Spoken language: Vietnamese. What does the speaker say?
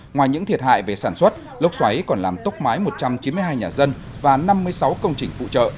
ngoài những thiệt hại về sản xuất lốc xoáy còn làm tốc mái một trăm chín mươi hai nhà dân và năm mươi sáu công trình phụ trợ